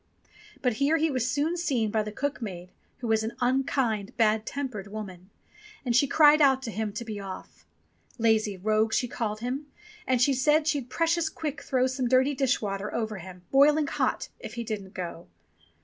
But here he was soon seen by the cook maid who was an unkind, bad tempered woman, and she cried out to him to be off. "Lazy rogue," she called him; and she said she'd precious quick throw some dirty dish ^^ water over him, boiling hot, if '~ he didn't go.